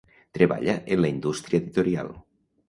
Treballa en la indústria editorial.